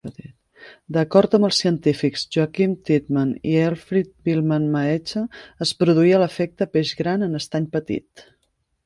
D'acord amb els científics Joaquim Tiedemann i Elfriede Billmann-Mahecha, es produïa l'efecte "Peix gran en estany petit".